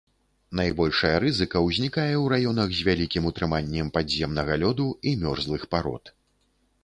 Найбольшая рызыка ўзнікае ў раёнах з вялікім утрыманнем падземнага лёду і мерзлых парод.